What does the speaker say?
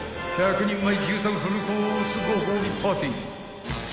［１００人前牛タンフルコースご褒美パーティー］